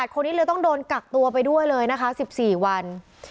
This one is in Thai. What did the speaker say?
คนนี้เลยต้องโดนกักตัวไปด้วยเลยนะคะ๑๔วัน